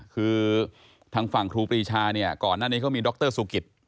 คือทางฝั่งครูปรีชาเนี่ยก่อนหน้านี้เขามีดรสุกิต